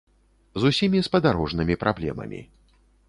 З усімі спадарожнымі праблемамі.